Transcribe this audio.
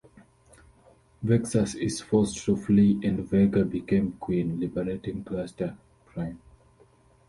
Vexus is forced to flee and Vega becomes queen, liberating Cluster Prime.